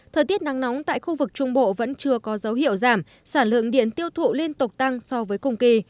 thời tiết nắng nóng tại khu vực trung bộ vẫn chưa có dấu hiệu giảm sản lượng điện tiêu thụ liên tục tăng so với cùng kỳ